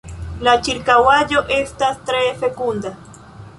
La ĉirkaŭaĵo estas tre fekunda.